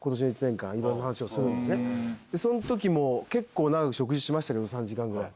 その時も結構長く食事しましたけど３時間ぐらい。